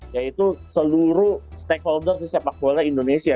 yaitu seluruh stakeholder di sepak bola indonesia